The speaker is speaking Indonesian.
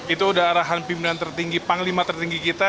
itu udah arahan pimpinan tertinggi panglima tertinggi kita